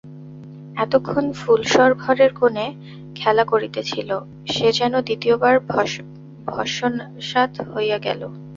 এতক্ষণ ফুলশর ঘরের কোণে খেলা করিতেছিল, সে যেন দ্বিতীয় বার ভস্মসাৎ হইয়া গেল।